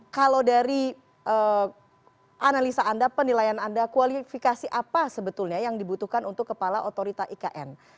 kalau dari analisa anda penilaian anda kualifikasi apa sebetulnya yang dibutuhkan untuk kepala otorita ikn